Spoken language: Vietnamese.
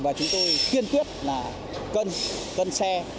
và chúng tôi kiên quyết là cân cân xe